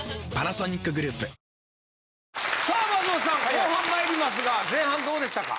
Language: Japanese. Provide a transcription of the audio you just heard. さあ松本さん後半まいりますが前半どうでしたか？